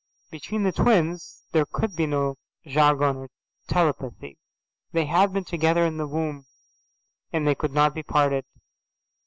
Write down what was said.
Between the twins there could be no jargon of telepathy. They had been together in the womb, and they could not be parted.